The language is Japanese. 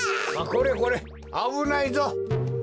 これこれあぶないぞ！